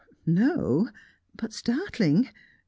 "No, but startling.